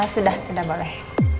sudah sudah boleh